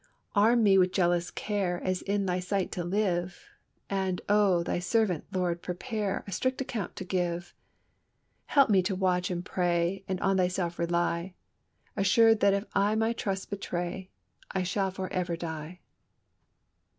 "Arm me with jealous care, As in Thy sight to live; And, Oh, Thy servant, Lord, prepare, A strict account to give. "Help me to watch and pray, And on Thyself rely, Assured if I my trust betray, I shall for ever die."